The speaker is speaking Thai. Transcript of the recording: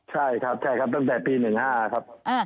ใช่ครับใช่ครับตั้งแต่ปี๑๕ครับ